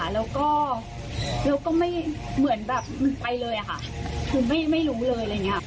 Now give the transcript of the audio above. แล้วก็ไม่เหมือนแบบมันไปเลยค่ะคือไม่รู้เลยอะไรอย่างนี้